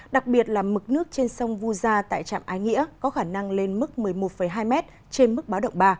đặc biệt là mực nước trên sông vu gia tại trạm ái nghĩa có khả năng lên mức một mươi một hai m trên mức báo động ba